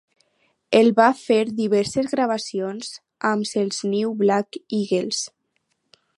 Ell va fer diverses gravacions amb els New Black Eagles.